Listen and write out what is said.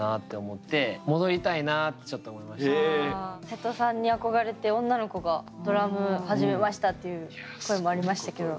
せとさんに憧れて女の子がドラム始めましたっていう声もありましたけど。